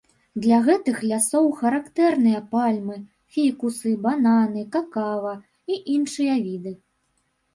Для гэтых лясоў характэрныя пальмы, фікусы, бананы, какава і іншыя віды.